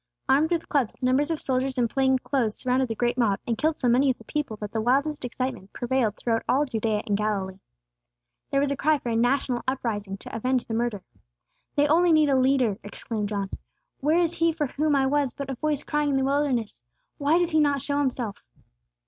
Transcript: Armed with clubs, numbers of soldiers in plain clothes surrounded the great mob, and killed so many of the people that the wildest excitement prevailed throughout all Judea and Galilee. There was a cry for a national uprising to avenge the murder. "They only need a leader!" exclaimed John. "Where is He for whom I was but a voice crying in the wilderness? Why does He not show Himself?"